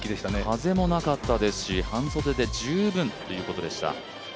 風もなかったですし半袖で十分というところでした。